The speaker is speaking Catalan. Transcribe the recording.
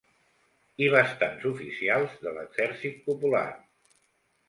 ...i bastants oficials de l'Exèrcit Popular